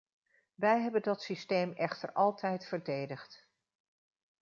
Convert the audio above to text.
Wíj hebben dat systeem echter altijd verdedigd.